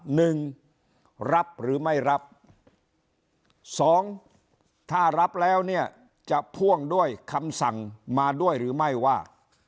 หนึ่งรับหรือไม่รับสองถ้ารับแล้วเนี่ยจะพ่วงด้วยคำสั่งมาด้วยหรือไม่ว่า